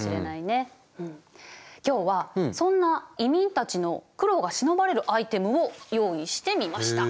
今日はそんな移民たちの苦労がしのばれるアイテムを用意してみました。